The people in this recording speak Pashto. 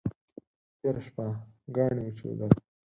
تېره شپه ګاڼي وچودل.